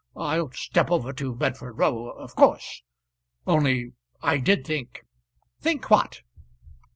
I'll step over to Bedford Row, of course; only I did think " "Think what?"